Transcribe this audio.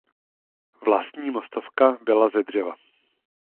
Vlastní mostovka byla ze dřeva.